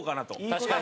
確かに。